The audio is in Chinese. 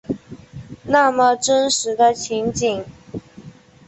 那么真实的情景